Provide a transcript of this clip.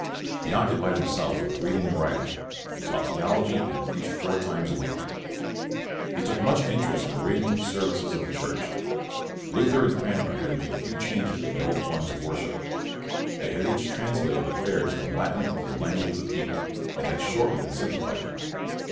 He occupied himself with reading and writing, he taught theology, and preached four times a week. He took much interest in arranging the services of the Church. Luther and Cranmer had CALVIN 1 1 1 made few changes in the old forms of worship. They had each translated the prayers from Latin into the language of the people, and had shortened and simpli fied them.